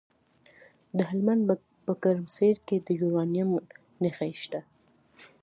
د هلمند په ګرمسیر کې د یورانیم نښې شته.